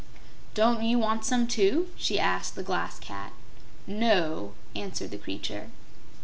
"Don't you want some, too?" she asked the Glass Cat. "No," answered the creature.